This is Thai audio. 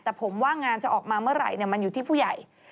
แต่ผมว่างานจะออกมาเมื่อไหร่มันอยู่ที่ผู้ใหญ่